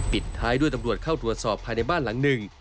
ปิดท้ายด้วยตำรวจเข้าตรวจสอบภายในบ้านหลังหนึ่ง